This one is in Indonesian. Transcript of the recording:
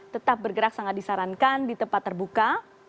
tetap bergerak sangat disarankan di tempat terbuka